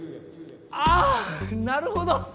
ああなるほど！